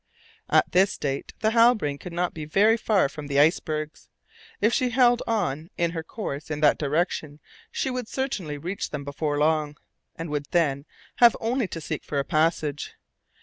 At this date the Halbrane could not be very far from the icebergs. If she held on in her course in that direction she would certainly reach them before long, and would then have only to seek for a passage.